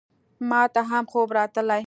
ماته هم خوب راتلی !